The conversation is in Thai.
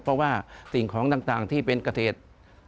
เพราะว่าสิ่งของต่างที่เป็นเกษตร